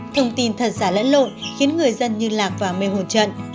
thông tin thật giả lẫn lộn khiến người dân như lạc và mê hồn trận